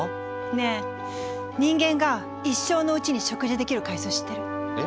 ねえ人間が一生のうちに食事できる回数知ってる？え？